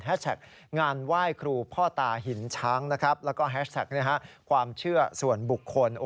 แฮชแท็กงานไหว้ครูพ่อตาหินช้างแล้วก็แฮชแท็กความเชื่อส่วนบุคคล